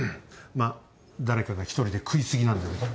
まあ誰かが１人で食い過ぎなんだけど。